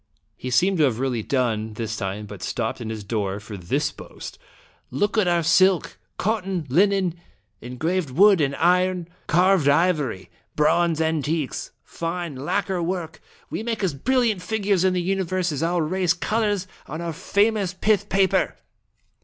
He seemed to have really done this time, but stopped in his door for this boast: "Look at our silk, cot ton, linen, engraved wood and iron, carved ivory, bronze antiques, fine lacquer work! We make as brilliant figures in the universe as our rare colors on our famous pith paper